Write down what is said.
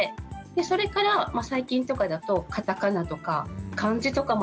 それから最近とかだとカタカナとか漢字とかまでにいって。